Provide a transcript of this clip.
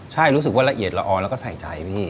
ใช่รู้สึกว่าละเอียดละออนแล้วก็ใส่ใจพี่